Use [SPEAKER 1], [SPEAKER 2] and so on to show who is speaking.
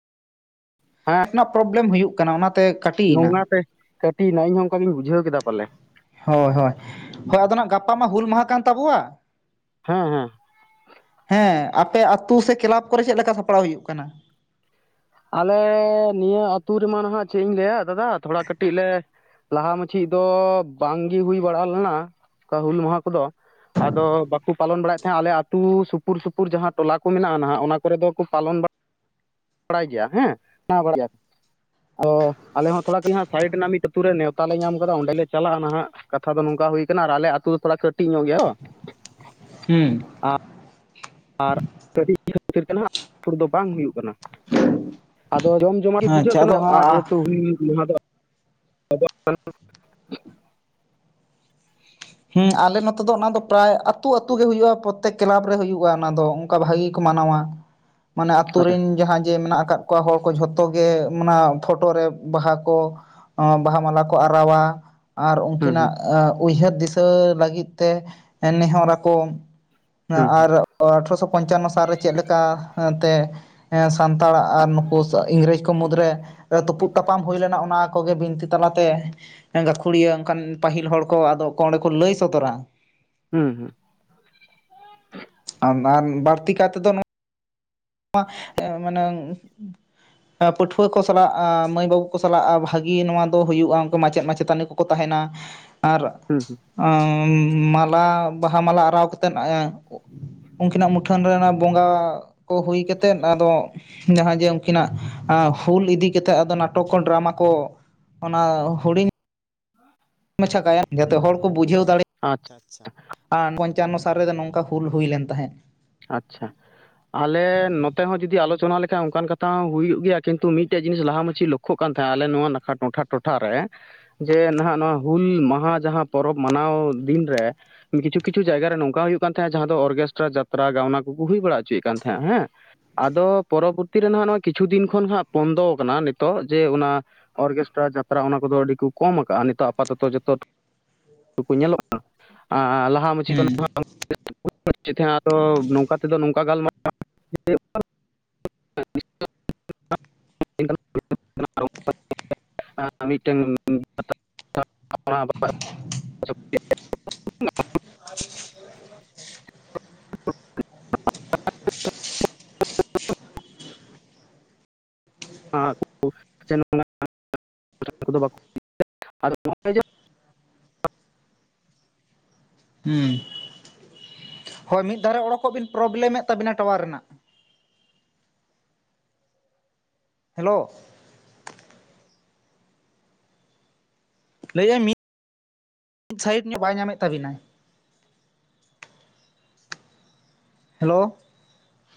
[SPEAKER 1] ᱨᱮᱱᱟᱜ ᱯᱨᱚᱵ ᱞᱮᱢ ᱦᱩᱭᱩᱜ ᱠᱟᱱᱟ ᱚᱱᱟ ᱛᱮ
[SPEAKER 2] ᱱᱚᱜ ᱱᱟ ᱛᱮ ᱠᱟᱹᱴᱤ ᱭᱮᱱᱟ ᱤᱧ ᱦᱚᱸ ᱚᱱᱠᱟ ᱜᱤᱧ ᱵᱩᱡᱷᱟᱹᱣ ᱠᱮᱫᱟ ᱯᱟᱞᱮ
[SPEAKER 1] ᱦᱳᱭ ᱦᱳᱭ ᱦᱳᱭ ᱟᱫᱚ ᱱᱟᱜ ᱜᱟᱯᱟ ᱢᱟ ᱦᱩᱞ ᱢᱟᱦᱟ ᱠᱟᱱ ᱛᱟᱵᱚᱣᱟ
[SPEAKER 2] ᱦᱮᱸ ᱦᱮᱸ
[SPEAKER 1] ᱦᱮᱸ ᱟᱯᱮ ᱟᱛᱳ ᱥᱮ ᱠᱮᱞᱟᱵ ᱠᱚᱨᱮ ᱪᱮᱫ ᱞᱮᱠᱟ ᱥᱟᱯᱲᱟᱣ ᱦᱩᱭᱩᱜ ᱠᱟᱱᱟ ᱾
[SPEAKER 2] ᱟᱞᱮ ᱱᱤᱭᱟᱹ ᱟᱹᱛᱩ ᱨᱮ ᱢᱟ ᱱᱟᱦᱟᱜ ᱪᱮᱫ ᱤᱧ ᱞᱟᱹᱭᱟ ᱫᱟᱫᱟ ᱛᱷᱚᱲᱟ ᱠᱟᱹᱴᱤᱡ ᱞᱮ ᱞᱟᱦᱟ ᱢᱟᱪᱮᱫ ᱫᱚ ᱵᱟᱝ ᱜᱤ ᱦᱩᱭ ᱵᱟᱲᱟ ᱞᱮᱱᱟ ᱠᱟ ᱦᱩᱞ ᱢᱟᱦᱟ ᱠᱚ ᱫᱚ ᱟᱫᱚ ᱵᱟᱠᱚ ᱯᱟᱞᱚᱱ ᱵᱟᱲᱟ ᱭᱮᱫ ᱛᱟᱦᱮᱸᱜ-ᱟ ᱟᱞᱮ ᱟᱹᱛᱩ ᱥᱩᱯᱩᱨ ᱥᱩᱯᱩᱨ ᱡᱟᱦᱟᱸ ᱴᱚᱞᱟ ᱠᱚ ᱢᱮᱱᱟᱜᱼᱟ ᱱᱟᱦᱟᱜ ᱚᱱᱟ ᱠᱚᱨᱮ ᱫᱚ ᱠᱚ ᱯᱟᱞᱚᱱ ᱵᱟᱲᱟᱭᱟ ᱵᱟᱲᱟᱭ ᱜᱮᱭᱟ ᱦᱮᱸ ᱵᱟᱲᱟᱭ ᱜᱮᱭᱟ ᱚ ᱟᱞᱮ ᱦᱚᱸᱛᱷᱚᱲᱟ ᱜᱮ ᱥᱟᱭᱤᱰ ᱨᱮᱱᱟᱜ ᱢᱤᱫ ᱟᱛᱳ ᱨᱮ ᱱᱮᱣᱛᱟ ᱞᱮ ᱧᱟᱢ ᱟᱠᱟᱫᱟ ᱚᱸᱰᱮ ᱞᱮ ᱪᱟᱞᱟᱜᱼᱟ ᱱᱟᱦᱟᱜ ᱠᱟᱛᱷᱟ ᱫᱚ ᱱᱚᱝᱠᱟ ᱦᱩᱭ ᱟᱠᱟᱱᱟ ᱟᱞᱮ ᱟᱹᱛᱳ ᱫᱚ ᱛᱷᱟ ᱴᱤᱡ ᱧᱚᱜ ᱜᱮᱭᱟ
[SPEAKER 1] ᱦᱩᱸ
[SPEAKER 2] ᱟᱨ ᱠᱟ ᱛᱮ ᱫᱚ ᱵᱟᱝ ᱦᱩᱭᱩᱜ ᱠᱟᱱᱟ ᱟᱫᱚ ᱡᱚᱢ ᱡᱚᱢᱟᱜ ᱜᱮ ᱵᱩᱡᱷᱟᱹᱜ
[SPEAKER 1] ᱟᱪᱪᱷᱟ
[SPEAKER 2] ᱠᱟᱱᱟ
[SPEAKER 1] ᱟᱫᱚ
[SPEAKER 2] ᱡᱟᱦᱟᱸ ᱡᱮ
[SPEAKER 1] ᱟ
[SPEAKER 2] ᱦᱮᱛᱩ ᱦᱩᱞ ᱢᱟᱦᱟᱸ ᱫᱚ [unintelligible]
[SPEAKER 1] ᱦᱩ ᱟᱞᱮ ᱱᱚᱛᱮ ᱫᱚ ᱚᱱᱟ ᱫᱚ ᱯᱮᱨᱟᱭ ᱟᱹᱛᱩ ᱟᱹᱛᱩ ᱜᱮ ᱦᱩᱭᱩᱜᱼᱟ ᱯᱨᱚᱛᱮᱠ ᱠᱮᱞᱟᱵᱽ ᱨᱮ ᱦᱩᱭᱩᱜᱼᱟ ᱚᱱᱟ ᱫᱚ ᱚᱱᱠᱟ ᱵᱷᱟᱜᱤ ᱜᱮ ᱠᱚ ᱢᱟᱱᱟᱣᱟ ᱢᱟᱱᱮ ᱟᱹᱛᱩ
[SPEAKER 2] ᱟᱪᱪᱷᱟ
[SPEAKER 1] ᱨᱮᱱ ᱡᱟᱦᱟᱸᱭ ᱡᱮ ᱢᱮᱱᱟᱜ ᱟᱠᱟᱫ ᱠᱚ ᱠᱚᱣᱟ ᱦᱚᱲ ᱠᱚ ᱡᱷᱚᱛᱚ ᱜᱮ ᱚᱱᱟ ᱯᱷᱳᱴᱳ ᱨᱮ ᱵᱟᱦᱟ ᱠᱚ ᱦᱚᱸ ᱵᱟᱦᱟ ᱢᱟᱞᱟ ᱠᱚ ᱟᱨᱟᱣᱟ ᱟᱨ ᱩᱱᱠᱤ
[SPEAKER 2] ᱦᱩᱸ ᱦᱩᱸ
[SPEAKER 1] ᱱᱟᱜ ᱩᱭᱦᱟᱹᱨ ᱫᱤᱥᱟᱹ ᱞᱟᱹᱜᱤᱫ ᱛᱮ ᱱᱮᱦᱚᱨ ᱟᱠᱚ
[SPEAKER 2] ᱦᱩᱸ ᱦᱩᱸ
[SPEAKER 1] ᱟᱨ ᱟᱴᱷᱨᱚᱥᱚ ᱯᱚᱧᱪᱟᱱᱚ ᱥᱟᱞ ᱨᱮ ᱪᱮᱫ ᱞᱮᱠᱟ ᱛᱮ ᱥᱟᱱᱛᱟᱲ ᱟᱨ ᱱᱩᱠᱩ ᱤᱝᱜᱨᱮᱡᱽ ᱠᱚ ᱢᱩᱫᱽ ᱨᱮ ᱛᱩᱯᱩᱜ ᱛᱟᱯᱟᱢ ᱦᱩᱭ ᱞᱮᱱᱟ ᱚᱱᱟ ᱠᱚ ᱜᱮ ᱵᱤᱱᱛᱤ ᱛᱟᱞᱟ ᱛᱮ ᱜᱟᱹᱠᱷᱩ ᱲᱤᱭᱟᱹ ᱚᱱᱠᱟᱱ ᱯᱟᱹᱦᱤᱞ ᱦᱚᱲ ᱠᱚ ᱟᱫᱚᱜ ᱚᱸᱰᱮ ᱠᱚ ᱞᱟᱹᱭ ᱥᱚᱫᱚᱨᱟ
[SPEAKER 2] ᱦᱩᱸ ᱦᱩᱸ
[SPEAKER 1] ᱟᱨ ᱵᱟᱹᱲᱛᱤ ᱠᱟᱭ ᱛᱮ ᱫᱚ ᱣᱟ ᱮ ᱢᱟᱱᱮ ᱯᱟᱹᱴᱷᱩᱣᱟᱹ ᱠᱚ ᱥᱟᱞᱟᱜ ᱢᱟᱹᱭ ᱵᱟᱹᱵᱩ ᱠᱚ ᱥᱟᱞᱟᱜ ᱵᱷᱟᱹᱜᱤ ᱱᱚᱣᱟ ᱫᱚ ᱦᱩᱭᱩᱜᱼᱟ᱾ ᱩᱱᱠᱩ ᱢᱟᱪᱮᱫ ᱢᱟᱪᱮ ᱛᱟᱹᱱᱤ ᱠᱚ ᱠᱚ ᱛᱟᱦᱮᱱ ᱟ ᱟᱨ
[SPEAKER 2] ᱦᱩᱸ ᱦᱩᱸ
[SPEAKER 1] ᱟᱸᱢ ᱢᱟᱞᱟ ᱵᱟᱦᱟ ᱢᱟᱞᱟ ᱟᱨᱟᱣ ᱠᱟᱛᱮᱫ ᱮᱸ ᱼᱼ ᱩᱱᱠᱤᱱᱟᱜ ᱢᱩᱴᱷᱟᱹᱱ ᱨᱮ ᱚᱱᱟ ᱵᱚᱸᱜᱟ ᱠᱚ ᱦᱩᱭ ᱠᱟᱛᱮᱫ, ᱟᱫᱚᱼᱼ ᱡᱟᱦᱟᱸ ᱡᱮ ᱩᱱᱠᱤᱱᱟᱜ ᱦᱩᱞ ᱤᱫᱤ ᱠᱟᱛᱮᱫ ᱟᱫᱚ ᱱᱟᱴᱚᱠᱚ, ᱰᱨᱟᱢᱟ ᱠᱚᱼᱼ ᱚᱱᱟ ᱦᱩᱰᱤᱧᱼᱼ ᱢᱟᱪᱷᱟ ᱜᱟᱭᱟᱱ ᱡᱟᱛᱮ ᱦᱚᱲ ᱠᱚ ᱵᱩᱡᱷᱟᱹᱣ ᱫᱟᱲᱮᱭᱟᱜᱼᱼ
[SPEAKER 2] ᱟᱪᱪᱷᱟ ᱟᱪᱪᱷᱟ
[SPEAKER 1] ᱟᱨ ᱯᱚᱧᱪᱟᱱᱱᱚ ᱥᱟᱞ ᱨᱮᱫᱚ ᱱᱚᱝᱠᱟ ᱦᱩᱞ ᱦᱩᱭ ᱞᱮᱱ ᱛᱟᱦᱮᱸᱫ᱾
[SPEAKER 2] ᱟᱪᱪᱷᱟ ᱟᱞᱮ ᱱᱚᱛᱮ ᱦᱚᱸ ᱡᱩᱫᱤ ᱟᱞᱚᱪᱱᱟ ᱞᱮᱠᱷᱟ ᱚᱱᱠᱟᱱ ᱠᱟᱛᱷᱟ ᱦᱚᱸ ᱦᱩᱭᱩᱜ ᱜᱮᱭᱟ ᱠᱤᱱᱛᱩ ᱢᱤᱫᱴᱮᱡ ᱡᱤᱱᱤᱥ ᱞᱟᱦᱟ ᱢᱟᱪᱷᱤ ᱚᱠᱼᱼ ᱠᱷᱳᱜ ᱠᱟᱱ ᱛᱟᱦᱮᱸᱜ-ᱟ ᱟᱞᱮ ᱱᱚᱣᱟ ᱱᱟᱠᱷᱟ ᱴᱚᱴᱷᱟ ᱴᱚᱴᱷᱟ ᱨᱮ᱾ ᱡᱮ ᱱᱷᱟᱜ ᱱᱚᱣᱟ ᱦᱩᱞ ᱢᱟᱦᱟ ᱡᱟᱦᱟᱸ ᱯᱚᱨᱚᱵᱽ ᱢᱟᱱᱟᱣ ᱫᱤᱱ ᱨᱮᱼᱼ ᱠᱤᱪᱷᱩ ᱠᱤᱪᱷᱩ ᱡᱟᱭᱜᱟᱨᱮ ᱱᱚᱝᱠᱟ ᱦᱩᱭᱩᱜ ᱠᱟᱱ ᱛᱟᱦᱮᱸᱜ-ᱟ ᱡᱟᱦᱟᱸ ᱫᱚ ᱚᱨᱠᱮᱥᱴᱨᱟ ᱡᱟᱛᱨᱟ ᱜᱟᱣᱱᱟ ᱠᱚ ᱠᱩ ᱦᱩᱭ ᱵᱟᱲᱟ ᱦᱚᱪᱚᱭᱮᱫ ᱠᱟᱱ ᱛᱟᱸᱦᱮᱜ-ᱟ᱾ ᱦᱮᱸ, ᱟᱫᱚ ᱯᱚᱨᱚᱵᱚᱨᱛᱤ ᱨᱮᱱᱟᱜ ᱠᱤᱪᱷᱩ ᱫᱤᱱ ᱠᱷᱚᱱ ᱦᱟᱸᱜ ᱵᱚᱱᱫᱚ ᱟᱠᱟᱱᱟ ᱱᱤᱛᱚᱜ ᱡᱮ ᱚᱱᱟᱼᱼ ᱚᱨᱜᱮᱥᱴᱨᱟ ᱡᱟᱛᱨᱟ ᱚᱱᱟ ᱠᱚᱫᱚ ᱟᱹᱰᱤ ᱠᱚ ᱠᱚᱢ ᱟᱠᱟᱜ-ᱟ ᱱᱤᱛᱚᱜ ᱟᱯᱟᱛᱚᱛᱚ ᱡᱚᱛᱚᱼᱼ ᱠᱚᱠᱩ ᱧᱮᱞᱚᱜ-ᱟ ᱟᱨ ᱞᱟᱦᱟ ᱢᱟᱪᱷᱤ ᱫᱚ
[SPEAKER 1] ᱦᱩᱸ
[SPEAKER 2] ᱱᱷᱟᱜ [unintelligible] ᱛᱚ ᱱᱚᱝᱠᱟ ᱛᱮᱫᱚ ᱱᱚᱝᱠᱟ ᱜᱟᱞᱢᱟᱨᱟᱣ [unintelligible] [unintelligible] [unintelligible] ᱢᱤᱫᱴᱟᱹᱝ [unintelligible] ᱥᱚᱠ [unintelligible]
[SPEAKER 1] [unintelligible]
[SPEAKER 2] [unintelligible] ᱟᱸ ᱠᱩ [unintelligible] ᱱᱚᱜ-ᱚᱭ ᱡᱮᱼᱼ
[SPEAKER 1] ᱦᱩᱸ ᱦᱳᱭ ᱢᱤᱫ ᱫᱷᱟᱨᱮ ᱚᱰᱳᱠᱚᱜ ᱵᱤᱱ ᱯᱨᱚᱵᱞᱮᱢᱮᱫ ᱛᱟᱵᱤᱱᱟᱭ ᱴᱟᱣᱟᱨ ᱨᱮᱱᱟᱜ᱾ ᱦᱮᱞᱳ ᱞᱟᱹᱭᱮᱫᱟᱹᱧ ᱢᱤᱫ ᱥᱟᱭᱤᱰ ᱧᱚᱜ ᱵᱟᱭ ᱧᱟᱢᱮᱫ ᱛᱟᱹᱵᱤᱱᱟᱭ᱾ ᱦᱮᱞᱳ